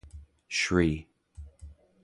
Shri.